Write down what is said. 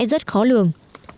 rất khó lường